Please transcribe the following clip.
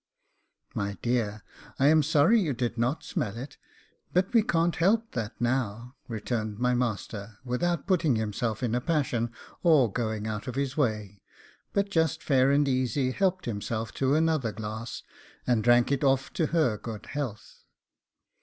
'My dear, I am sorry you did not smell it, but we can't help that now,' returned my master, without putting himself in a passion, or going out of his way, but just fair and easy helped himself to another glass, and drank it off to her good health.